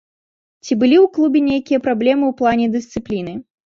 Ці былі ў клубе нейкія праблемы ў плане дысцыпліны?